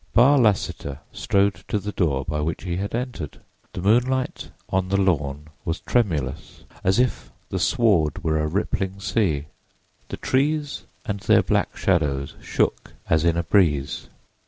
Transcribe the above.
Barr Lassiter strode to the door by which he had entered. The moonlight on the lawn was tremulous, as if the sward were a rippling sea. The trees and their black shadows shook as in a breeze.